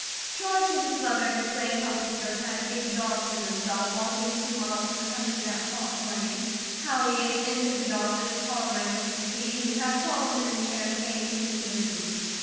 George and his mother explained how Peter had exhausted himself walking two miles from the country that hot morning, how he had entered the office, tottering with fatigue, and had fallen in the chair in a fainting condition.